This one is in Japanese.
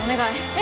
え？